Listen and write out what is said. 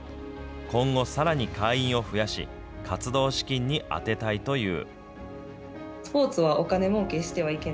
今後、さらに会員を増やし、活動資金に充てたいという。